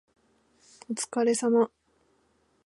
お疲れ様